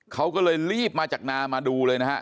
เขาก็เลยรีบมาจากนามาดูเลยนะฮะ